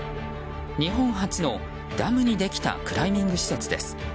日本初の、ダムにできたクライミング施設です。